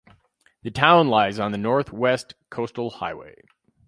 The town lies on the North West Coastal Highway.